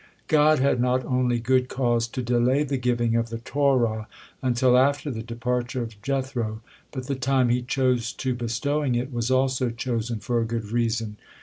God had not only good cause to delay the giving of the Torah until after the departure of Jethro, but the time He chose to bestowing it was also chosen for a good reason.